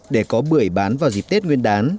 để có bưởi bán vào dịp tết nguyên đán